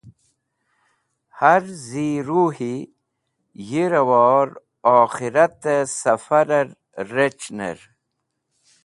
Har Zi Ruhi Yi Rawor Okhirate Safarer Ric̃hner